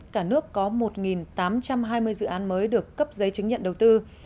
cả nước có một tám trăm hai mươi dự án mới được cấp giấy chứng nhận đầu tư